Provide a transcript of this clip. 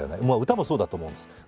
まあ歌もそうだと思うんです。